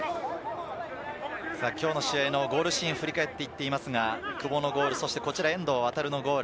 今日の試合のゴールシーンを振り返っていますが、久保のゴール、そしてこちらは遠藤航のゴール。